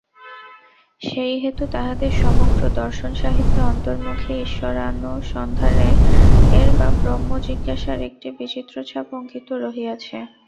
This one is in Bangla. সেইহেতু তাঁহাদের সমগ্র দর্শন-সাহিত্যে অন্তর্মুখী ঈশ্বরানুসন্ধানের বা ব্রহ্মজিজ্ঞাসার একটি বিচিত্র ছাপ অঙ্কিত রহিয়াছে।